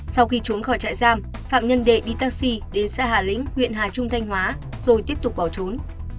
sau khi trốn khỏi trại giam phạm nhân đệ đi taxi đến xã hà lĩnh huyện hà trung thanh hóa rồi tiếp tục bỏ trốn